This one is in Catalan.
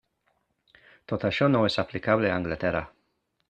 Tot això no és aplicable a Anglaterra.